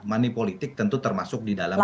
money politik tentu termasuk di dalam